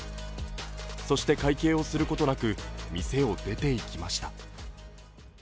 そして、会計をすることなく店を出て行きました。